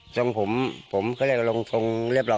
ทรงผมผมเขาเรียกว่ารองทรงเรียบร้อย